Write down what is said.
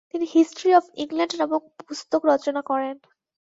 তিনি history of England নামক পুস্তক রচনা করেন।